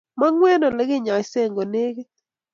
Mang`u eng ole kinyaise ko negit